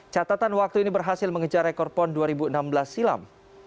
catatan waktu ini berhasil mengejar rekor pon dua ribu enam belas silam